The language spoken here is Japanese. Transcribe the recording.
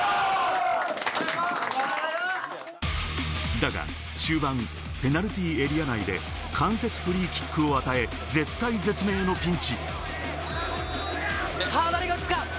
だが終盤、ペナルティーエリア内で、間接フリーキックを与え、絶体絶命のピンチ。